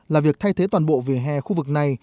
là việc thay thế toàn bộ vỉa hè khu vực này